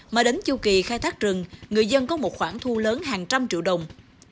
mà đến chu kỳ khai thác rừng người dân có một khoản thu lớn hàng trăm triệu đồng